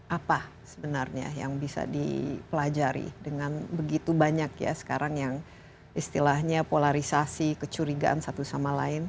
apa sebenarnya yang bisa dipelajari dengan begitu banyak ya sekarang yang istilahnya polarisasi kecurigaan satu sama lain